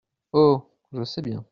Oh ! je sais bien !